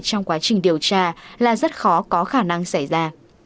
trong quá trình điều tra là rất khó có khả năng xảy ra